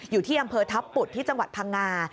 อยู่ที่อำเภอทัพปุดที่จังหวัดพังงา